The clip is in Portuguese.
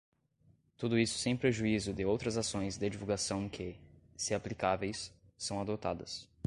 Tudo isso sem prejuízo de outras ações de divulgação que, se aplicáveis, são adotadas.